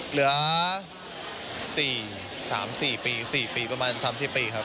เหลือ๔๓๔ปี๔ปีประมาณ๓๐ปีครับ